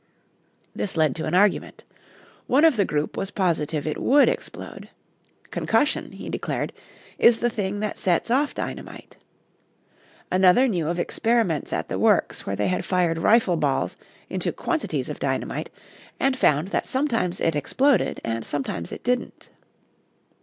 This led to an argument. One of the group was positive it would explode. Concussion, he declared, is the thing that sets off dynamite. Another knew of experiments at the works where they had fired rifle balls into quantities of dynamite, and found that sometimes it exploded and sometimes it didn't.